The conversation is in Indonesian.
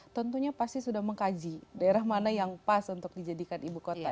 tentunya pasti sudah mengkaji daerah mana yang pas untuk dijadikan ibu kota